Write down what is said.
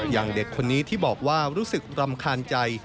อย่างเด็กคนนี้ที่บอกว่ารู้สึกรำคาญใจ